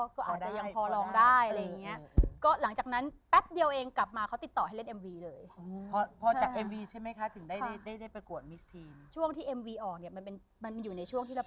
ก็อาจจะยังพอลองได้อะไรอย่างนี้